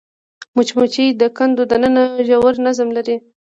مچمچۍ د کندو دننه ژور نظم لري